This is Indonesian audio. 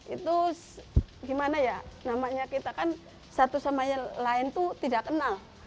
itu gimana ya namanya kita kan satu sama yang lain itu tidak kenal